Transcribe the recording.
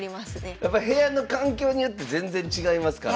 やっぱ部屋の環境によって全然違いますから。